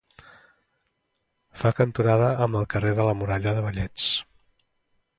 Fa cantonada amb el carrer de la Muralla dels Vellets.